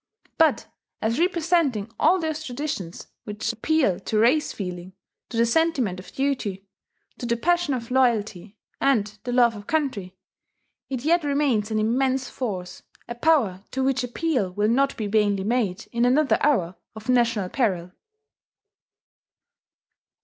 But as representing all those traditions which appeal to race feeling, to the sentiment of duty, to the passion of loyalty, and the love of country, it yet remains an immense force, a power to which appeal will not be vainly made in another hour of national peril.